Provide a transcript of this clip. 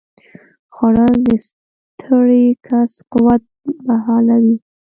خوړل د ستړي کس قوت بحالوي